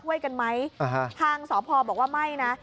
กันไหมทางสพบอกว่าไม่นะ